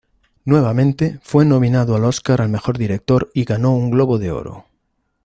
Nuevamente, fue nominado al Oscar al mejor director y ganó un Globo de Oro.